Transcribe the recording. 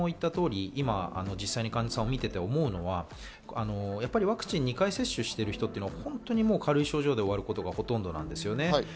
先程、私も言った通り実際、患者さんを見ていて思うのはワクチン、２回接種している人っていうのは本当に軽い症状で終わることがほとんどなんです。